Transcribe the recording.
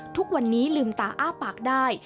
ทุกวันนี้ลืมตาอ้าปากได้